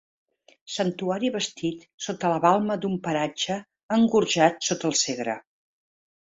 Santuari bastit sota la balma d'un paratge engorjat sobre el Segre.